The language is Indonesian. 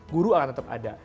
guru akan tetap ada